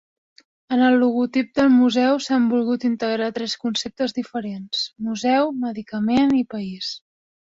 En el logotip del Museu s'han volgut integrar tres conceptes diferents: museu, medicament i país.